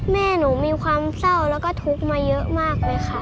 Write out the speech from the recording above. แม่หนูมีความเศร้าแล้วก็ทุกข์มาเยอะมากเลยค่ะ